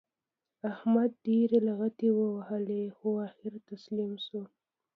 احمد ډېرې لغتې ووهلې؛ خو اخېر تسلیم شو.